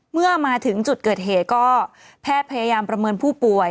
เมื่อมาถึงจุดเกิดเหตุก็แพทย์พยายามประเมินผู้ป่วย